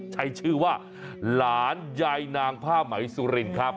ใช้ชื่อว่าหลานยายนางผ้าไหมสุรินครับ